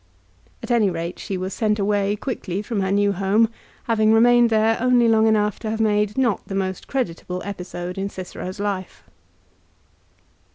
At any rate she was sent away quickly from her new home, having remained there only long enougli to have made not the most creditable episode in Cicero's life.